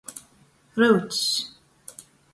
Ryucs.